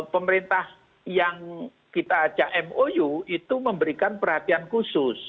pemerintah yang kita ajak mou itu memberikan perhatian khusus